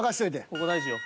ここ大事よ。